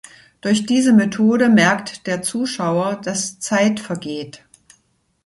Durch diese Methode merkt der Zuschauer, dass Zeit vergeht.